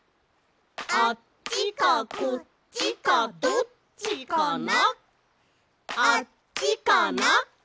あっちかこっちかどっちかな？